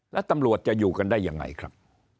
แล้วตำรวจจะอยู่กันได้ยังไงครับ